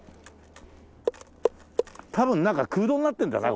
多分中空洞になってるんだな